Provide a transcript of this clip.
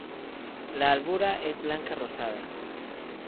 La albura es blanca rosada.